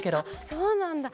そうなんだ！